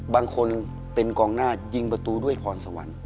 บางคนเป็นกองหน้ายิงประตูด้วยพรสวรรค์